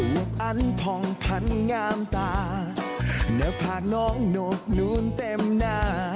อันผ่องพันงามตาแล้วพาน้องหนกนูนเต็มหน้า